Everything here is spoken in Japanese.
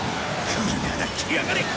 来るなら来やがれ！